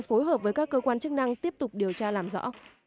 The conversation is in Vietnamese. phối hợp với các cơ quan chức năng tiếp tục điều tra làm rõ